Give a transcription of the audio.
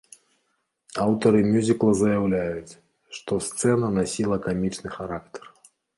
Аўтары мюзікла заяўляюць, што сцэна насіла камічны характар.